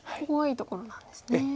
ここがいいところなんですね。